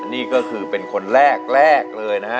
นี่ก็คือเป็นคนแรกเลยนะฮะ